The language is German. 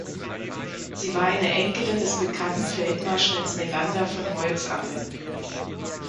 Sie war eine Enkelin des bekannten Feldmarschalls Melander von Holzappel.